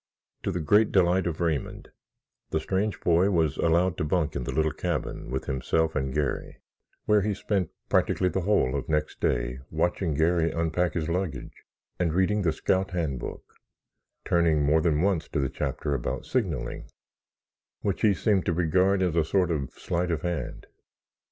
To the great delight of Raymond the strange boy was allowed to bunk in the little cabin with himself and Garry, where he spent practically the whole of the next day watching Garry unpack his luggage and reading the Scout Handbook, turning more than once to the chapter about signalling, which he seemed to regard as a sort of sleight of hand.